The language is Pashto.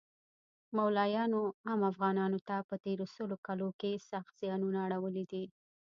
مولایانو عام افغانانو ته په تیرو سلو کلو کښی سخت ځیانونه اړولی دی